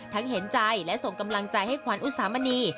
เห็นใจและส่งกำลังใจให้ขวัญอุสามณี